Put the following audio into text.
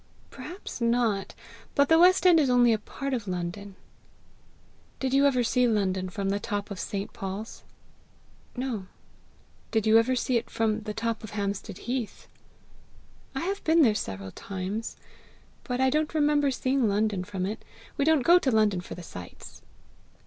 "Perhaps not; but the west end is only a part of London." "Did you ever see London from the top of St. Paul's?" "No." "Did you ever see it from the top of Hampstead heath?" "I have been there several times, but I don't remember seeing London from it. We don't go to London for the sights."